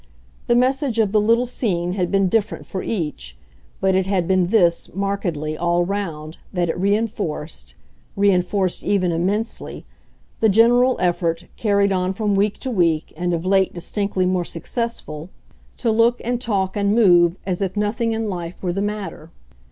The message of the little scene had been different for each, but it had been this, markedly, all round, that it reinforced reinforced even immensely the general effort, carried on from week to week and of late distinctly more successful, to look and talk and move as if nothing in life were the matter.